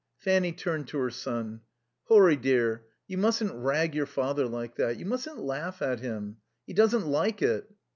Fanny turned to her son. "Horry dear, you mustn't rag your father like that. You mustn't laugh at him. He doesn't like it."